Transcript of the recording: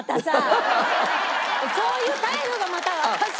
そういう態度がまた私を。